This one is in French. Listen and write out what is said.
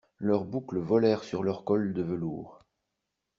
Leurs boucles volèrent sur leurs cols de velours.